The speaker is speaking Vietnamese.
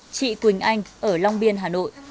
chị quỳnh anh ở long biên hà nội